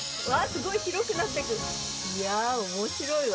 いやあ面白いわ。